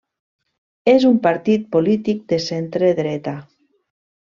És un partit polític de centredreta.